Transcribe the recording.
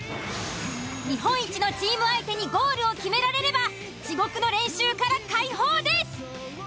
日本一のチーム相手にゴールを決められれば地獄の練習から解放です。